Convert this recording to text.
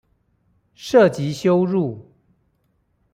涉及羞辱